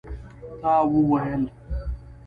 تا وویل?